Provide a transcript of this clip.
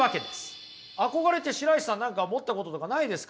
憧れって白石さん何か持ったこととかないですか？